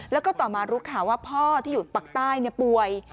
แล้วก็ต่อมารู้ข่าวว่าพ่อที่อยู่ปากใต้ป่วย